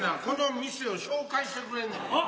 この店を紹介してくれんねん。